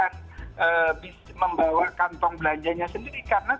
karena sesungguhnya membawa kantong belanja itu sendiri itu dulu pernah terjadi